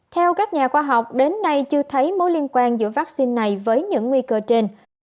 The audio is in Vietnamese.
theo các nhà khoa học đến nay chưa thấy mối liên quan giữa vaccine này với những nguy cơ trên